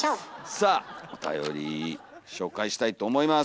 さあおたより紹介したいと思います。